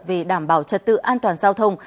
về đảm bảo trật tự an toàn giao thông